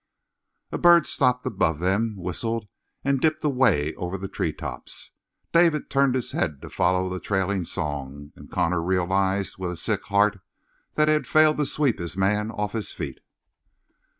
A bird stopped above them, whistled and dipped away over the treetops. David turned his head to follow the trailing song, and Connor realized with a sick heart that he had failed to sweep his man off his feet.